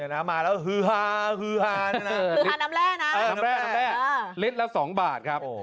อ๋อน้ำแร่น้ำแร่น้ำแร่ลิตรละ๒บาทครับ